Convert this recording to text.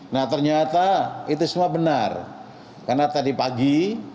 nah ternyata itu semua benar karena tadi pagi